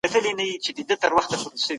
احمد شاه ابدالي څنګه د اړیکو ثبات یقیني کړ؟